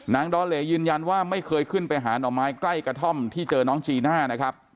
ดอเลยืนยันว่าไม่เคยขึ้นไปหาหน่อไม้ใกล้กระท่อมที่เจอน้องจีน่านะครับ